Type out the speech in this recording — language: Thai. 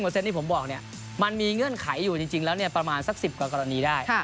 ที่ผมบอกมันมีเงื่อนไขอยู่จริงแล้วประมาณสัก๑๐กว่ากรณีได้